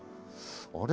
あれ？